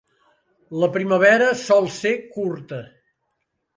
La primavera sol ser curta.